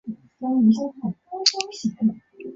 红花芒毛苣苔为苦苣苔科芒毛苣苔属下的一个种。